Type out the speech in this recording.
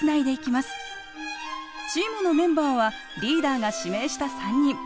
チームのメンバーはリーダーが指名した３人。